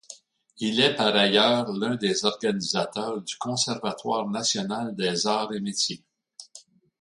Il est par ailleurs l'un des organisateurs du Conservatoire national des arts et métiers.